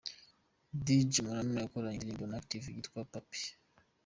Dj Marnaud yakoranye indirimbo na Active yitwa 'Bape'.